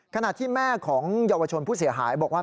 ขณะที่แม่ของเยาวชนผู้เสียหายบอกว่า